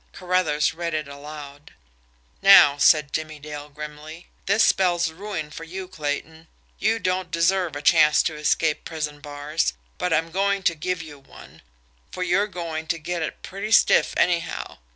Carruthers read it aloud. "Now," said Jimmie Dale grimly, "this spells ruin for you, Clayton. You don't deserve a chance to escape prison bars, but I'm going to give you one, for you're going to get it pretty stiff, anyhow.